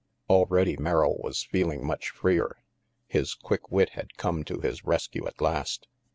Already Merrill was feeling much freer. His quick wit had come to his rescue at last.